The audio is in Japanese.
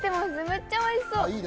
めっちゃおいしそう！